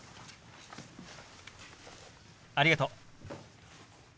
ありがとう。